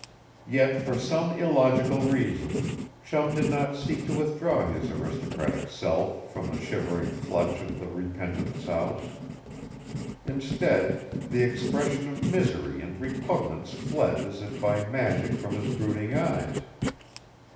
Yet, for some illogical reason, Chum did not seek to withdraw his aristocratic self from the shivering clutch of the repentant souse. Instead, the expression of misery and repugnance fled as if by magic from his brooding eyes.